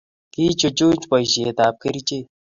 Kechuchuch boishet ab kerichek